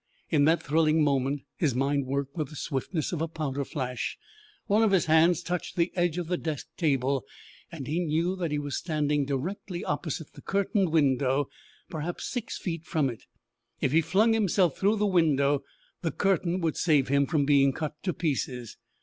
In that thrilling moment his mind worked with the swiftness of a powder flash. One of his hands touched the edge of the desk table, and he knew that he was standing directly opposite the curtained window, perhaps six feet from it. If he flung himself through the window the curtain would save him from being cut to pieces.